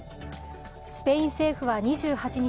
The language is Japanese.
スペイン政府は２８日